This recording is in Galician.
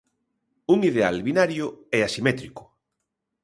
Un ideal binario e asimétrico.